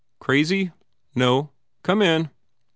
Crazy? No. Come in."